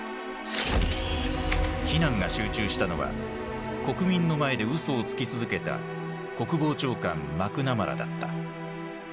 非難が集中したのは国民の前で嘘をつき続けた国防長官マクナマラだった。